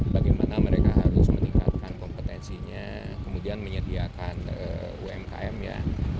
bagaimana mereka harus meningkatkan kompetensinya kemudian menyediakan umkm ya